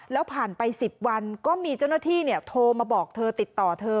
แล้วผ่านไป๑๐วันก็มีเจ้าหน้าที่โทรมาบอกเธอติดต่อเธอ